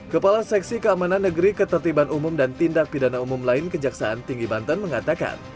kepala seksi keamanan negeri ketertiban umum dan tindak pidana umum lain kejaksaan tinggi banten mengatakan